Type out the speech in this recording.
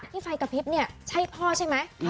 ไฟกระพริบเนี่ยใช่พ่อใช่ไหม